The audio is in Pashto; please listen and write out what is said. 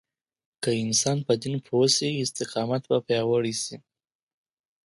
که انسان په دين پوه شي، استقامت به پیاوړی شي.